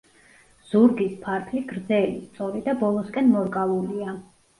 ზურგის ფარფლი გრძელი, სწორი და ბოლოსკენ მორკალულია.